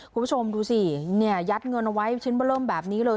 คุณผู้ชมดูสิเนี่ยยัดเงินเอาไว้ชิ้นเบอร์เริ่มแบบนี้เลย